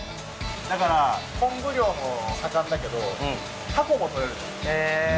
だから昆布漁も盛んだけどタコもとれる。